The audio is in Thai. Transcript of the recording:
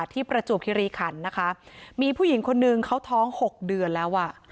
ประจวบคิริขันนะคะมีผู้หญิงคนนึงเขาท้อง๖เดือนแล้วอ่ะ